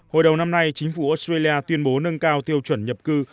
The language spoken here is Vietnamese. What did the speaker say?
hồi đầu năm nay chính phủ australia tuyên bố nâng cao tiêu chuẩn nhập cư